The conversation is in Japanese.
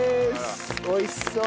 おいしそう！